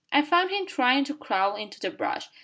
"I found him tryin' to crawl into the brush.